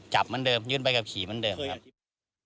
จับเหมือนเดิมยื่นใบขับขี่เหมือนเดิมครับ